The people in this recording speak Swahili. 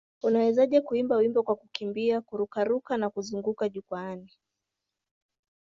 Unawezaje kuimba wimbo kwa kukimbia, kururuka na kuzunguka jukwaani?